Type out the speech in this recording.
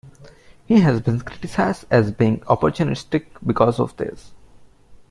He has been criticised as being opportunistic because of this.